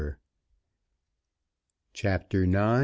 CHAPTER IX.